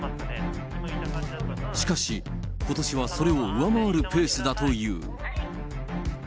しかし、ことしはそれを上回るペースだという。